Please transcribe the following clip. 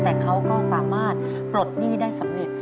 แต่เขาก็สามารถปลดหนี้ได้สำเร็จ